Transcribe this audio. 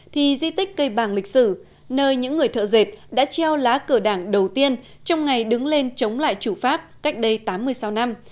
thì di tích cây bàng lịch sử nơi những người thợ dệt đã treo lá cờ đảng đầu tiên trong ngày đứng lên chống lại chủ pháp cách đây tám mươi sáu năm